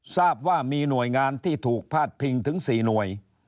ทราบว่ามีหน่วยงานที่ถูกพาดพิงถึง๔หน่วย